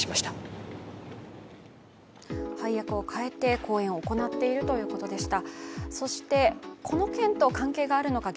配役を変えて公演を行っているということでした。